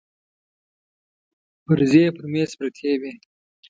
پرزې يې پر مېز پرتې وې.